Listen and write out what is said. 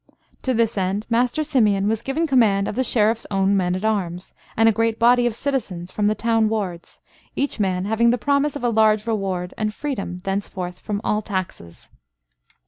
To this end Master Simeon was given command of the Sheriff's own men at arms, and a great body of citizens from the town wards, each man having the promise of a large reward and freedom thenceforth from all taxes.